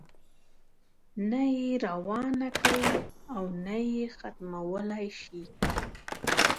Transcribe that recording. نه یې روانه کړې او نه یې ختمولای شي.